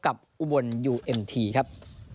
กับอุบวนยูเอ็มทีครับ